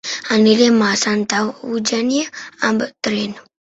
Anirem a Santa Eugènia amb tren.